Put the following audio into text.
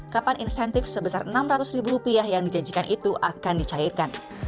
kapan insentif sebesar rp enam ratus ribu rupiah yang dijanjikan itu akan dicairkan